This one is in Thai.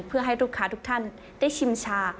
เพื่อให้ลูกค้าทุกท่านได้ชิมชา